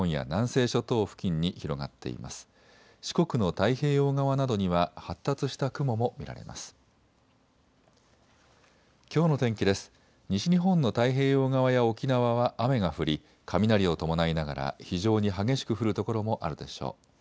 西日本の太平洋側や沖縄は雨が降り雷を伴いながら非常に激しく降る所もあるでしょう。